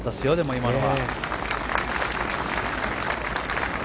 今のは。